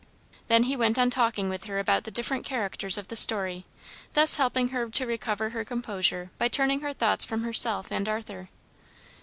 Then he went on talking with her about the different characters of the story, thus helping her to recover her composure by turning her thoughts from herself and Arthur.